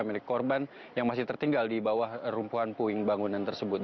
milik korban yang masih tertinggal di bawah rumpuhan puing bangunan tersebut